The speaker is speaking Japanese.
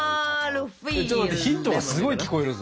ちょっと待ってヒントがすごい聞こえるぞ。